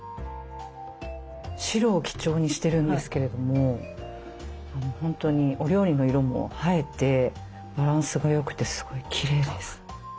白を基調にしてるんですけれども本当にお料理の色も映えてバランスがよくてすごいきれいです。